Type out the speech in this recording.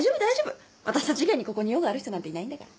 私たち以外にここに用がある人なんていないんだから。